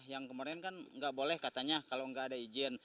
yang kemarin kan nggak boleh katanya kalau nggak ada izin